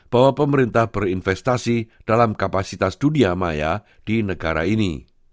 bahwa pemerintah berinvestasi dalam kapasitas dunia maya di negara ini